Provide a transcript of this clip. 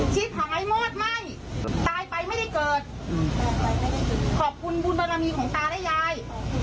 ชีวิตของไอ้โมดไม่ตายไปไม่ได้เกิดขอบคุณบุญบารมีของตาและยาย